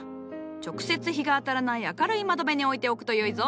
直接日が当たらない明るい窓辺に置いておくとよいぞ。